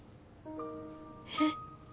えっ？